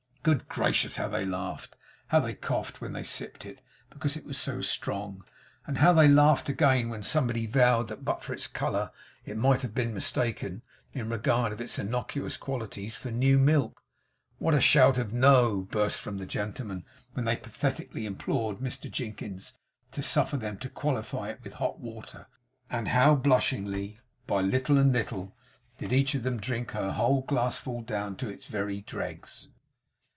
Good gracious, how they laughed! How they coughed when they sipped it, because it was so strong; and how they laughed again when somebody vowed that but for its colour it might have been mistaken, in regard of its innocuous qualities, for new milk! What a shout of 'No!' burst from the gentlemen when they pathetically implored Mr Jinkins to suffer them to qualify it with hot water; and how blushingly, by little and little, did each of them drink her whole glassful, down to its very dregs!